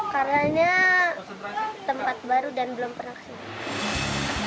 karena tempat baru dan belum pernah kesini